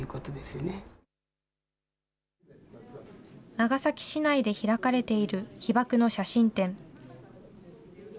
長崎市内で開かれている被爆の写真展。